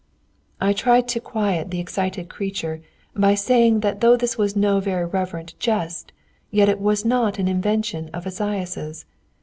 I tried to quiet the excited creature by saying that though this was no very reverent jest, yet it was not an invention of Esaias's.